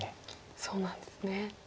そうなんですね。